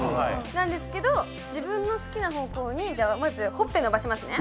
なんですけど自分の好きな方向にまずほっぺ伸ばしますね。